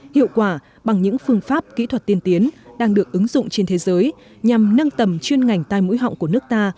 hiệu quả bằng những phương pháp kỹ thuật tiên tiến đang được ứng dụng trên thế giới nhằm nâng tầm chuyên ngành tai mũi họng của nước ta